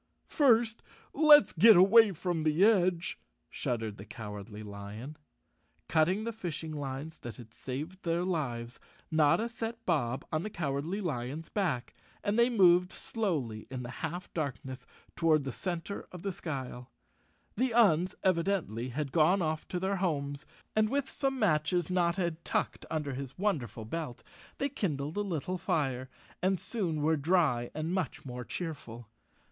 "First, let's get away from the edge," shuddered the Cowardly Lion. Cutting the fishing lines that had saved their lives, Notta set Bob on the Cowardly Lion's back and they moved slowly in the half darkness to¬ ward the center of the skyle. The Uns evidently had gone off to their homes, and with some matches Notta had tucked under his wonderful belt they kindled a lit¬ tle fire and soon were dry and much more cheerful.